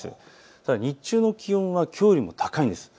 ただ日中の気温はきょうよりも高いんです。